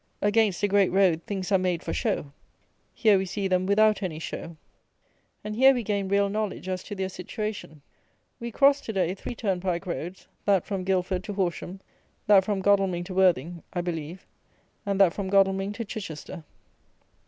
Against a great road things are made for show. Here we see them without any show. And here we gain real knowledge as to their situation. We crossed to day, three turnpike roads, that from Guildford to Horsham, that from Godalming to Worthing, I believe, and that from Godalming to Chichester.